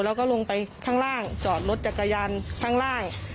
แล้วก็ลงไปข้างล่างจอดรถจักรยานข้างล่าง